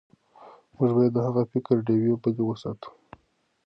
موږ باید د هغه د فکر ډیوې بلې وساتو.